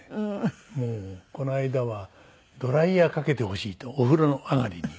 もうこの間はドライヤーかけてほしいってお風呂上がりに。